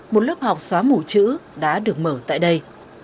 một lớp học xóa mù chữ đã được mở tại đây